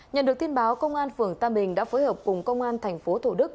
nhận được tin báo công an tp thủ đức đã phối hợp cùng công an tp thủ đức